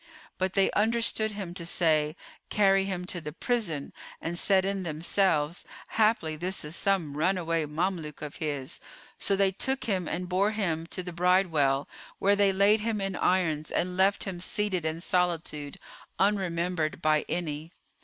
But they understood him to say, "Carry him to the prison," and said in themselves "Haply this is some runaway Mameluke of his." So they took him and bore him to the bridewell, where they laid him in irons and left him seated in solitude, unremembered by any.